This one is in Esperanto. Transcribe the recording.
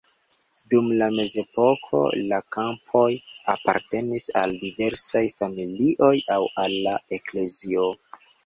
Dum la mezepoko la kampoj apartenis al diversaj familioj aŭ al la eklezio.